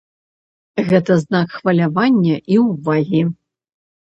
Гэта знак хвалявання і ўвагі.